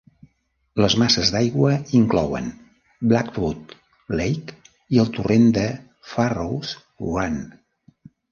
Les masses d'aigua inclouen Blackwood Lake i el torrent de Farrows Run.